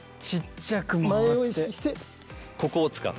前を意識してここを使う。